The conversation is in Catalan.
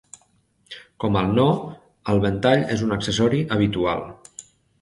Com al Noh, el ventall és un accessori habitual.